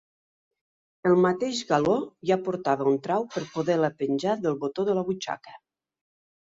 El mateix galó ja portava un trau per poder-la penjar del botó de la butxaca.